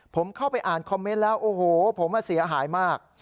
ผมเข้าไปอ่านคอมเมนต์แล้วโอ้โหผมเสียหายมาก